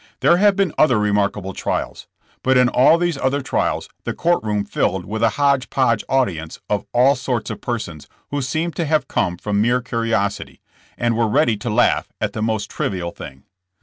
There have been other re markable trials. But in all these other trials the court room filled with a hodge podge audience of all sorts of persons, who seemed to have come from mere curiosity, and y^eve ready to laugh at the most trivial thing.